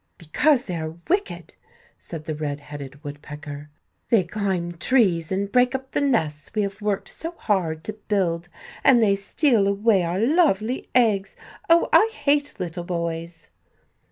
"Because they are wicked," said the redheaded woodpecker. "They climb trees and break up the nests we have worked so hard to build, and they steal away our lovely eggs oh, I hate little boys!"